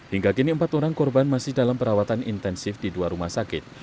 hingga kini empat orang korban masih dalam perawatan intensif di dua rumah sakit